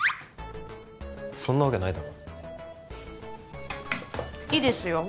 そんなわけないだろいいですよ